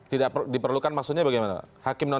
tidak diperlukan maksudnya bagaimana